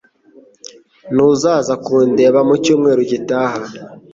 Ntuzaza kundeba mu cyumweru gitaha